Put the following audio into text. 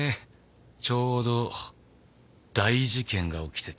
ちょうど大事件が起きてて。